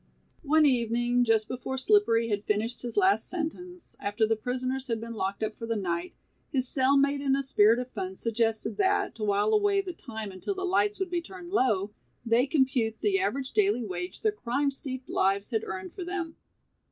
One evening, just before Slippery had finished his last sentence, after the prisoners had been locked up for the night, his cell mate in a spirit of fun suggested that, to while away the time until the lights would be turned low, they compute the average daily wage their crime steeped lives had earned for them.